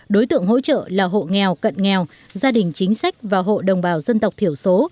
đối tượng hỗ trợ là hộ nghèo cận nghèo gia đình chính sách và hộ đồng bào dân tộc thiểu số